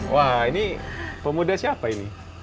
wah ini pemuda siapa ini